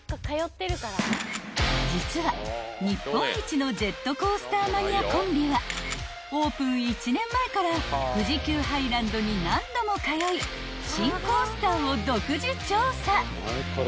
［実は日本一のジェットコースターマニアコンビはオープン１年前から富士急ハイランドに何度も通い新コースターを独自調査］